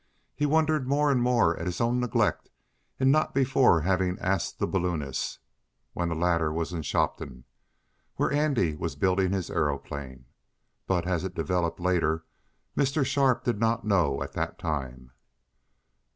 He wondered more and more at his own neglect in not before having asked the balloonist, when the latter was in Shopton, where Andy was building his aeroplane. But, as it developed later, Mr. Sharp did not know at that time.